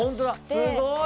すごい！